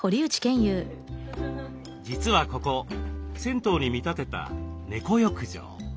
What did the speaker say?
実はここ銭湯に見立てた猫浴場。